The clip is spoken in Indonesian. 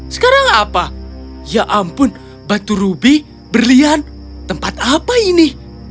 sekarang apa ya ampun batu rubi berlian tempat apa ini